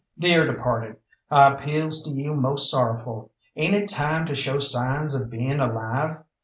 "Dear departed, I appeals to you most sorrowful ain't it time to show signs of being alive?